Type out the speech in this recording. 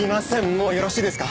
もうよろしいですか？